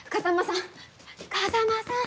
風真さん！